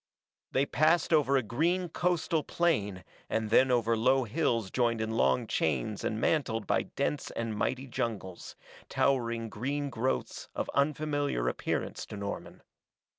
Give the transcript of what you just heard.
They passed over a green coastal plain and then over low hills joined in long chains and mantled by dense and mighty jungles, towering green growths of unfamiliar appearance to Norman.